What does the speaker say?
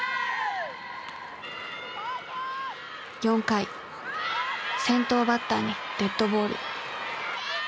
４回先頭バッターにデッドボール。